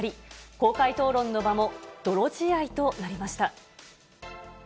公開討論の場も泥仕合となりました。